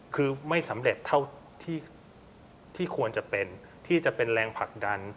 คือไม่สำเร็จเท่าที่ควรจะเป็นที่จะเป็นแรงผลักดัน